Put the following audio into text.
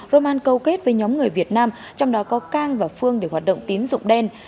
roman câu kết với nhóm người việt nam trong đó có cang và phương để hoạt động tín dụng đen